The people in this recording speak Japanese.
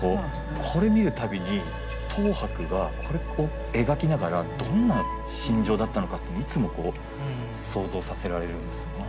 これ見るたびに等伯がこれを描きながらどんな心情だったのかというのはいつも想像させられるんですよね。